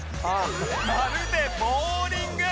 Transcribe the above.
まるでボウリング